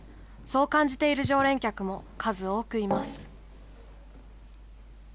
そう感じている常連客も数多くいます。